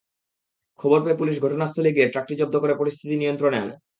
খবর পেয়ে পুলিশ ঘটনাস্থলে গিয়ে ট্রাকটি জব্দ করে পরিস্থিতি নিয়ন্ত্রণে আনে।